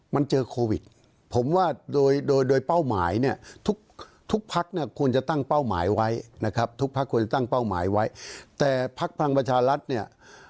มันเจอโควิดผมว่าโดยโดยเป้าหมายเนี่ยทุกทุกพักเนี่ยควรจะตั้งเป้าหมายไว้นะครับทุกพักควรจะตั้งเป้าหมายไว้แต่พักพลังประชารัฐเนี่ย